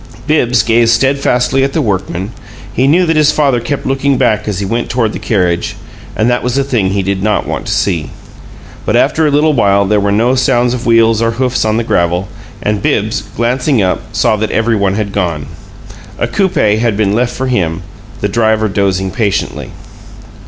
Bibbs gazed steadfastly at the workmen; he knew that his father kept looking back as he went toward the carriage, and that was a thing he did not want to see. But after a little while there were no sounds of wheels or hoofs on the gravel, and Bibbs, glancing up, saw that every one had gone. A coupe had been left for him, the driver dozing patiently.